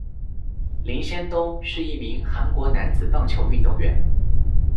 林仙东是一名韩国男子棒球运动员。